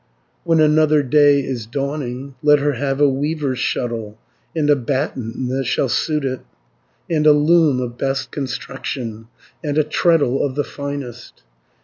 "When another day is dawning, Let her have a weaver's shuttle, 60 And a batten that shall suit it, And a loom of best construction, And a treadle of the finest.